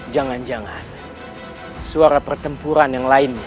jangan jangan suara pertempuran yang lain